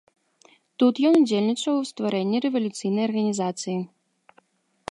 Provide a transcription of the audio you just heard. Тут ён удзельнічаў у стварэнні рэвалюцыйнай арганізацыі.